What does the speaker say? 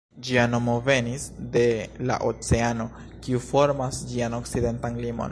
Ĝia nomo venis de la oceano, kiu formas ĝian okcidentan limon.